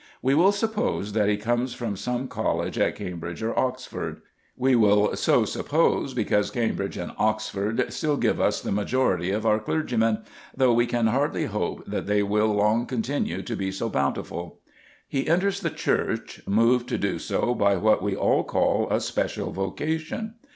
We will suppose that he comes from some college at Cambridge or Oxford. We will so suppose because Cambridge and Oxford still give us the majority of our clergymen, though we can hardly hope that they will long continue to be so bountiful. He enters the Church, moved to do so by what we all call a special vocation.